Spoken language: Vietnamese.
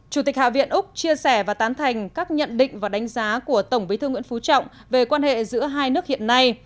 chủ tịch hạ viện úc chia sẻ và tán thành các nhận định và đánh giá của tổng bí thư nguyễn phú trọng về quan hệ giữa hai nước hiện nay